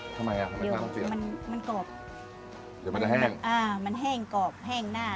ทำไมอ่ะมันมันกรอบเดี๋ยวมันจะแห้งอ่ามันแห้งกรอบแห้งหน้า